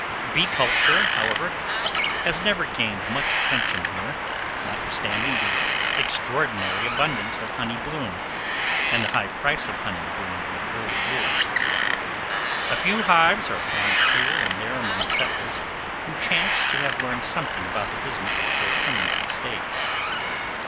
Bee culture, however, has never gained much attention here, notwithstanding the extraordinary abundance of honey bloom, and the high price of honey during the early years. A few hives are found here and there among settlers who chanced to have learned something about the business before coming to the State.